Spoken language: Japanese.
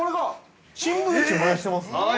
新聞紙、燃やしてますね。